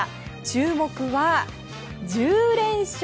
注目は１０連勝。